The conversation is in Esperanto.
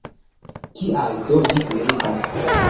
Kial do vi silentas?